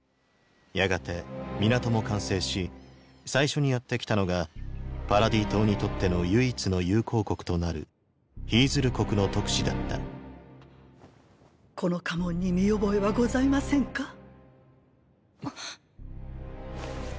やがて港も完成し最初にやって来たのがパラディ島にとっての唯一の友好国となるヒィズル国の特使だったこの家紋に見覚えはございませんか？！！